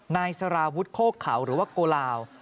นายสารวุฒิโคกเขาหรือว่าโกลาว